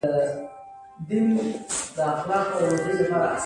د باور د ساتلو لپاره کیسې اړینې دي.